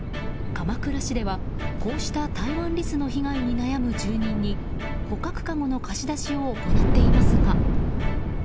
鎌倉市では、こうしたタイワンリスの被害に悩む住人に捕獲かごの貸し出しを行っていますが。